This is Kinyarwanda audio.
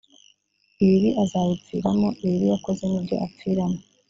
ibibi azabipfiramo ibibi yakoze ni byo apfiramo